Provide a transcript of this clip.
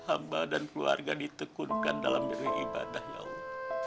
hamba dan keluarga ditekunkan dalam diri ibadah ya allah